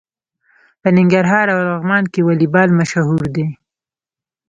په ننګرهار او لغمان کې والیبال مشهور دی.